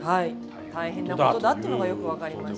大変なことだっていうのがよく分かります。